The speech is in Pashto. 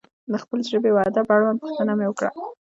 د خپلې ژبې و ادب اړوند پوښتنه مې وکړه.